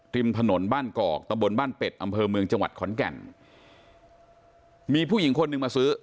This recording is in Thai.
ริมถนนบ้านกอกตะบนบ้านเป็ดอำเภอเมืองจังหวัดขอนแก่นมีผู้หญิงคนหนึ่งมาซื้อ